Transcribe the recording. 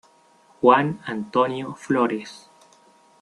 Juan Antonio Flores.